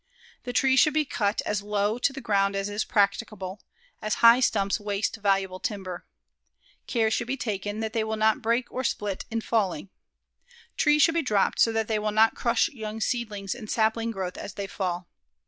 The trees should be cut as low to the ground as is practicable, as high stumps waste valuable timber. Care should be taken so that they will not break or split in falling. Trees should be dropped so that they will not crush young seedlings and sapling growth as they fall.